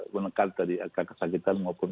menekan tadi kekesakitan maupun